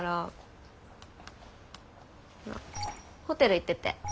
ホテル行ってて。